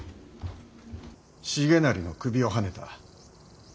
重成の首をはねた。